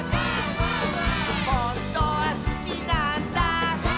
「ほんとはすきなんだ」